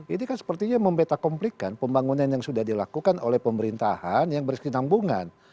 ini kan sepertinya mempetakomplikan pembangunan yang sudah dilakukan oleh pemerintahan yang berkesinambungan